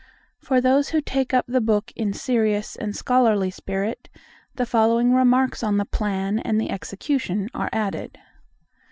For those who take up the book in a serious and scholarly spirit, the following remarks on the plan and the execution are added.